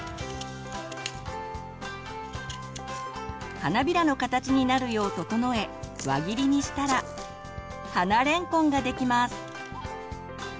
花びらの形になるよう整え輪切りにしたら「花れんこん」ができます。